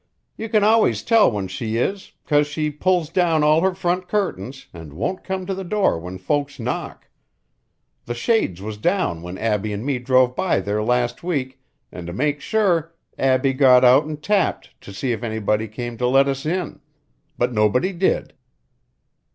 "You can always tell when she is 'cause she pulls down all her front curtains an' won't come to the door when folks knock. The shades was down when Abbie an' me drove by there last week an' to make sure Abbie got out an' tapped to' see if anybody'd come to let us in, but nobody did.